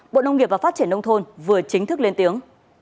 bản tin một trăm một mươi ba